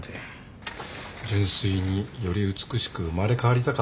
純粋により美しく生まれ変わりたかったのか。